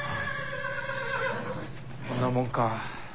こんなもんか。